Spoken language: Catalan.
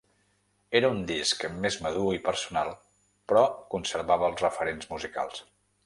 Era un disc més madur i personal però conservava els referents musicals.